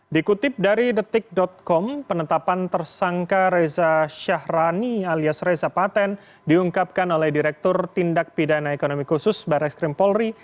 dikutip dari detik com penetapan tersangka reza syahrani alias reza paten diungkapkan oleh direktur tindak pidana ekonomi khusus barreskrim polri